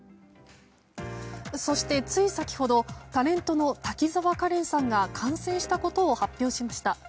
そしてつい先ほどタレントの滝沢カレンさんが感染したことを発表しました。